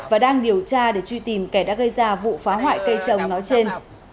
và đang điều tra để truy tìm kẻ đã gây ra vụ phá hoại cây trồng nói trên